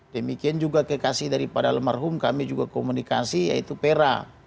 demikian juga kekasih daripada almarhum kami juga komunikasi yaitu pera